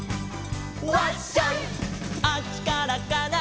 「あっちからかな」